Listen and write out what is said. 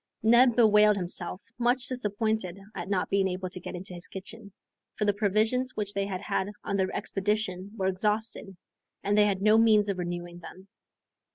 Neb bewailed himself, much disappointed at not being able to get into his kitchen, for the provisions which they had had on their expedition were exhausted, and they had no means of renewing them.